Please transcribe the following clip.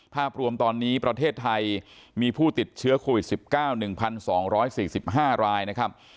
ภาพรวมตอนนี้ประเทศไทยมีผู้ติดเชื้อโควิด๑๙๑๒๔๕รายนะครับ